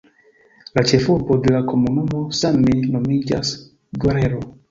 La ĉefurbo de la komunumo same nomiĝas "Guerrero".